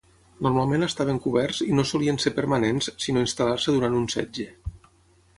Normalment estaven coberts i no solien ser permanents, sinó instal·lar-se durant un setge.